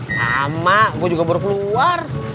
sama gue juga baru keluar